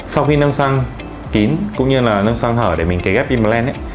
sau khi nâng xoang kín cũng như là nâng xoang hở để mình kế ghép im lên ấy